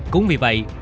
cũng vì vậy